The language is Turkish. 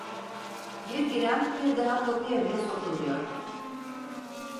Bir giren bir daha kapıya bile sokulmuyor.